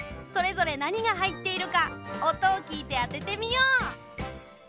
それぞれなにがはいっているかおとをきいてあててみよう。